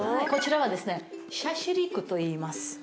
こちらはですねシャシリクといいます。